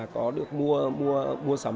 có được mua sống